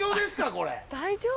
これ。